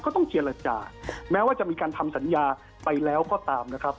ต้องเจรจาแม้ว่าจะมีการทำสัญญาไปแล้วก็ตามนะครับ